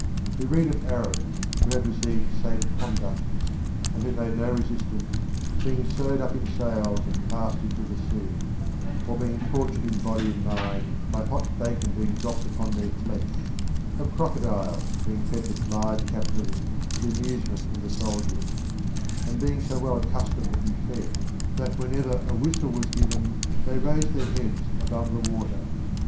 We read of Arabs who had received safe conducts, and who made no resistance, being sewed up in sails and cast into the sea, or being tortured in body and mind by hot bacon being dropped upon their flesh; of crocodiles being fed with live captives for the amusement of the soldiers, and being so well accustomed to be fed that whenever a whistle was given they raised their heads above the water.